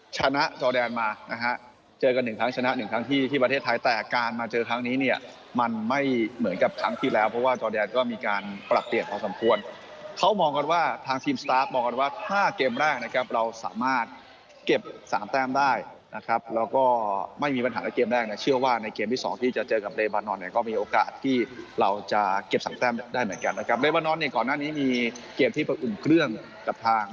ชนะจอแดนมานะฮะเจอกันหนึ่งครั้งชนะหนึ่งครั้งที่ที่ประเทศไทยแต่การมาเจอครั้งนี้เนี่ยมันไม่เหมือนกับครั้งที่แล้วเพราะว่าจอแดนก็มีการปรับเปลี่ยนพอสมควรเขามองกันว่าทางทีมสตาร์ฟมองกันว่าถ้าเกมแรกนะครับเราสามารถเก็บสามแต้มได้นะครับแล้วก็ไม่มีปัญหาในเกมแรกนะเชื่อว่าในเกมที่สองที่จะเจอก